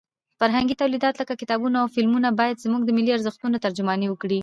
فرهنګي تولیدات لکه کتابونه او فلمونه باید زموږ د ملي ارزښتونو ترجماني وکړي.